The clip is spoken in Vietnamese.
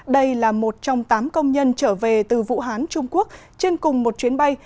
đây là một trong tám công nhân trở về từ vũ hán trung quốc trên cùng một chuyến bay